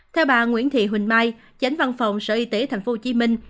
theo bà nguyễn thị huỳnh mai chánh văn phòng sở y tế thành phố hồ chí minh